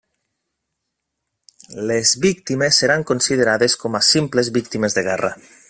Les víctimes seran considerades com a simples víctimes de guerra.